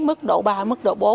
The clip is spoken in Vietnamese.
mức độ ba mức độ bốn